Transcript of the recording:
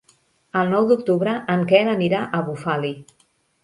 El nou d'octubre en Quel anirà a Bufali.